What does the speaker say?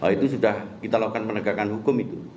itu sudah kita lakukan penegakan hukum itu